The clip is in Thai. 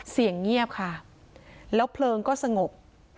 เสียงเงียบค่ะแล้วเพลิงก็สงบ